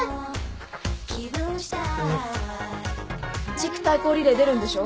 地区対抗リレー出るんでしょ？